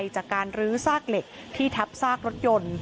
จากการลื้อซากเหล็กที่ทับซากรถยนต์